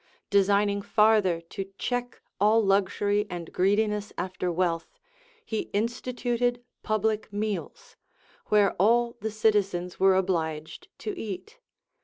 * Designing farther to check all luxury and greediness after wealth, he instituted public meals, where all the citizens Λvere obliged to eat.